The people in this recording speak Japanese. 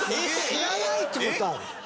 知らないって事あるの？